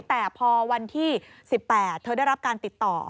แต่พอวันที่๑๘เธอได้รับการติดต่อ